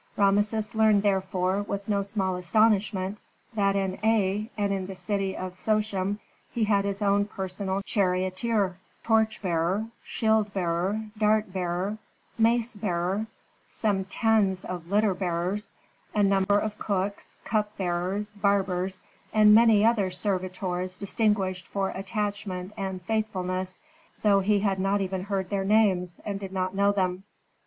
Rameses learned therefore, with no small astonishment, that in Aa and in the city of Sochem he had his own personal charioteer, torch bearer, shield bearer, dart bearer, mace bearer, some tens of litter bearers, a number of cooks, cup bearers, barbers, and many other servitors distinguished for attachment and faithfulness, though he had not even heard their names and did not know them.